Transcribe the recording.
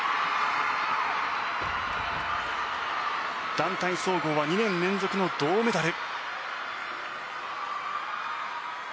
団体総合は２年連続の銅メダル。